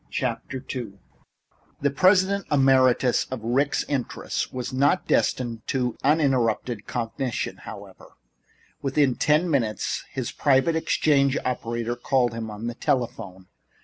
II The President emeritus of the Ricks' interests was not destined to uninterrupted cogitation, however. Within ten minutes his private exchange operator called him to the telephone.